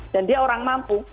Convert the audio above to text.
dan dia orang mampu